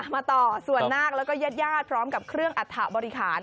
มาต่อส่วนนาคแล้วก็ญาติญาติพร้อมกับเครื่องอัฐบริหาร